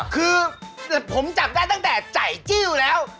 คือผมจับได้ตั้งแต่ใจจิ้วแล้ว